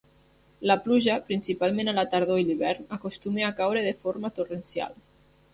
La pluja, principalment a la tardor i l'hivern, acostuma a caure de forma torrencial.